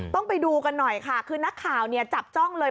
ไปดูกันหน่อยค่ะคือนักข่าวเนี่ยจับจ้องเลย